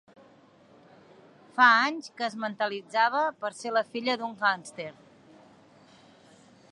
Fa anys que es mentalitzava per ser la filla d'un gàngster.